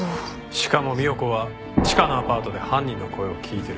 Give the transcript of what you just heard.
しかも三代子はチカのアパートで犯人の声を聞いてる。